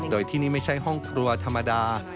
โดยที่นี่ไม่ใช่ห้องครัวธรรมดา